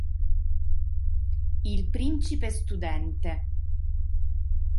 Il principe studente